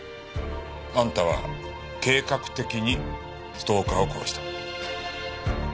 あんたは計画的にストーカーを殺した。